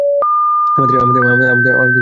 আমাদের সাপুড়েকে!